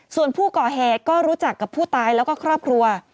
ส่วนผู้ก่อเหตุก็รู้จักกับผู้ตายแล้วก็ครอบครัว